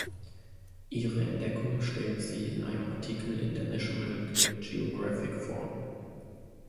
Ihre Entdeckung stellte sie in einem Artikel in der "National Geographic" vor.